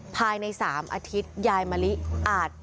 เพราะถ้าทำวิธีปลดปล่อยร่างยายมะลิเนี่ย